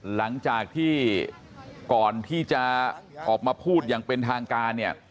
หลังจากที่ก่อนที่จะออกมาพูดอย่างเป็นทางการเนี่ย